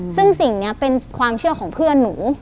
ซึ่งสิ่งนี้เป็นความเชื่อของเพื่อนหนู